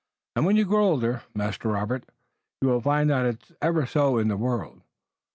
And when you grow older, Master Robert, you will find that it's ever so in the world.